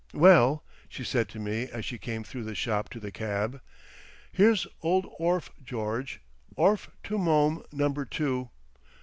"Well" she said to me as she came through the shop to the cab, "Here's old orf, George! Orf to Mome number two!